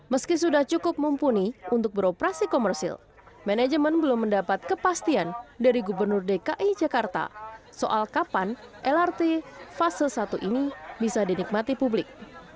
meski sudah cukup mumpuni untuk beroperasi komersil manajemen belum mendapat kepastian dari gubernur dki jakarta soal kapan lrt fase satu ini bisa dinikmati publik